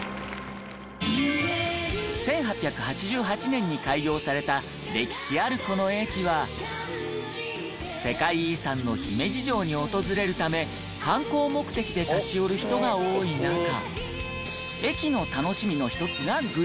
１８８８年に開業された歴史あるこの駅は世界遺産の姫路城に訪れるため観光目的で立ち寄る人が多い中駅の楽しみの一つがグルメ。